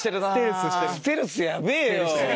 ステルスやべぇよ。